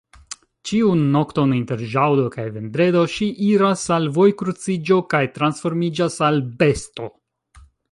Ĉiun nokton inter ĵaŭdo kaj vendredo, ŝi iras al vojkruciĝo kaj transformiĝas al besto.